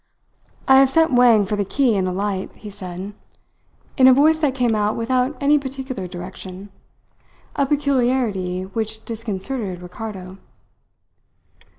"I have sent Wang for the key and a light," he said, in a voice that came out without any particular direction a peculiarity which disconcerted Ricardo.